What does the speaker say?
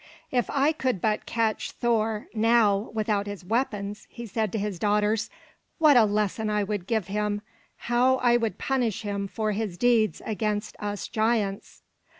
"If I could but catch Thor, now, without his weapons," he said to his daughters, "what a lesson I would give him! How I would punish him for his deeds against us giants!"